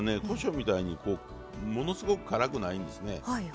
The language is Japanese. こしょうみたいにものすごく辛くないんですね。